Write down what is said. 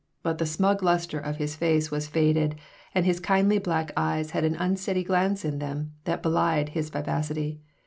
But the smug luster of his face was faded and his kindly black eyes had an unsteady glance in them that belied his vivacity.